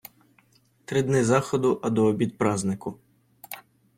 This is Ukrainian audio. Три дни заходу, а до обід празнику.